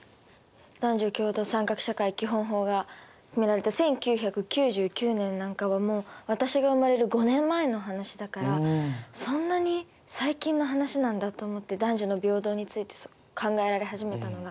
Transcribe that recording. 男女共同参画社会基本法が決められた１９９９年なんかはもう私が生まれる５年前の話だからそんなに最近の話なんだと思って男女の平等について考えられ始めたのが。